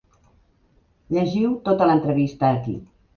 Llegiu tota l’entrevista aquí.